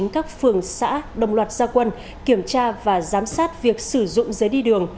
các phường xã đồng loạt gia quân kiểm tra và giám sát việc sử dụng giấy đi đường